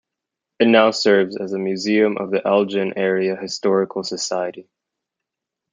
It now serves as a museum of the Elgin Area Historical Society.